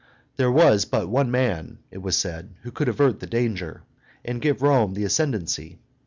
There was but one man, it was said, who could avert the danger, and give Rome the ascendency.